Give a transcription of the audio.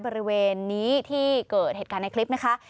บริเวณนี้ที่เกิดเหตุการณ์ในคลิปนะคะ